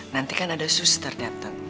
nanti kan ada suster datang